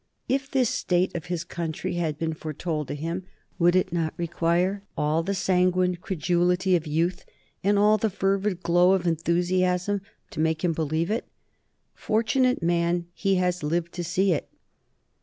If this state of his country had been foretold to him, would it not require all the sanguine credulity of youth and all the fervid glow of enthusiasm to make him believe it? Fortunate man, he has lived to see it."